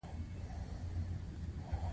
د پښتو خدمت کوونکی